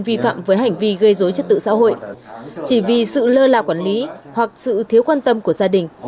vi phạm với hành vi gây dối trật tự xã hội chỉ vì sự lơ là quản lý hoặc sự thiếu quan tâm của gia đình